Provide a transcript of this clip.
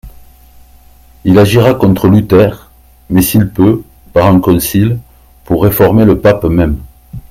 Il agira contre Luther, mais, s'il peut, par un concile, pour réformer le pape même.